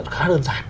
khá đơn giản